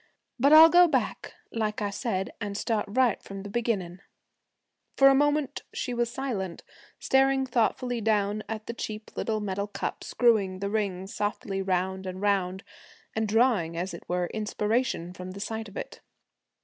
'But I'll go back like I said, and start right from the beginning.' For a moment she was silent, staring thoughtfully down at the cheap little metal cup, screwing the rings softly round and round, and drawing, as it were, inspiration from the sight of it.